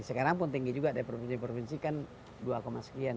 sekarang pun tinggi juga dari provinsi provinsi kan dua sekian